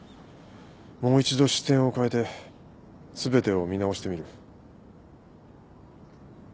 もう一度視点を変えて全てを見直してみる。